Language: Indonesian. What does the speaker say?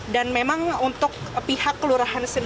dan memang untuk pihak kelurahan sempat